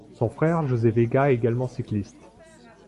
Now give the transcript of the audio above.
Son frère José Vega est également cycliste.